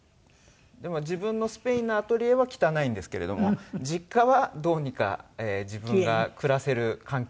でも自分のスペインのアトリエは汚いんですけれども実家はどうにか自分が暮らせる環境にしたいと思って。